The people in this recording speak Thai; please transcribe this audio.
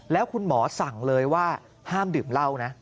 แล้วคุณหมอสั่งเลยว่าห้ามดื่มเหล้านะ